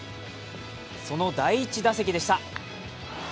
その第１打席でした。